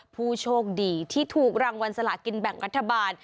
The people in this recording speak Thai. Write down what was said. ผู้โชคดีที่ถูกรางวัลสลากินแบ่งรัฐบาล